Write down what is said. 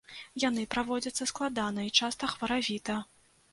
Яны праводзяцца складана і часта хваравіта.